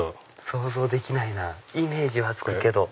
想像できないなイメージはつくけど。